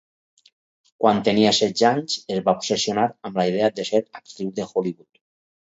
Quan tenia setze anys es va obsessionar amb la idea de ser actriu de Hollywood.